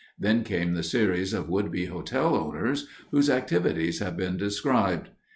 Then came the series of would be hotel owners, whose activities have been described.